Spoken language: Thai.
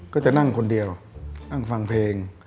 ก็จะนั่งคนเดียวนั่งฟังเพลง